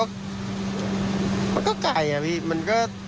มันก็ไกลอะพี่มันก็